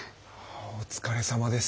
お疲れさまです。